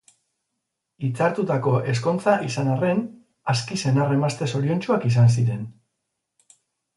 Hitzartutako ezkontza izan arren, aski senar-emazte zoriontsuak izan ziren.